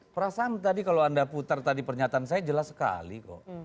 perasaan tadi kalau anda putar tadi pernyataan saya jelas sekali kok